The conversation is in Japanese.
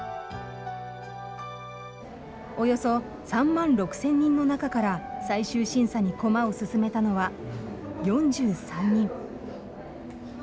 およそ３万６，０００人の中から最終審査に駒を進めたのは４３人。